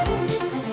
dự báo chuông